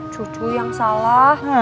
cucu yang salah